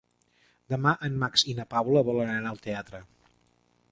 Demà en Max i na Paula volen anar al teatre.